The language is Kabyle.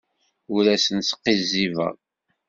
Ur asen-sqizzibeɣ.